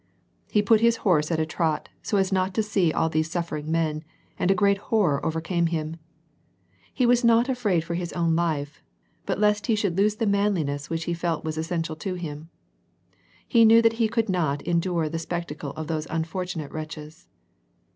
He put his horse at a trot, so as not to see all these suffering men and a great horror came over him. He was not afraid for his own life, but lest he should lose the manliness which he felt was essential to him ; he knew that he could not en dure the spectacle of those unfortunate wretches.